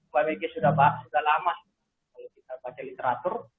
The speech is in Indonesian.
wbg sudah lama kalau kita baca literatur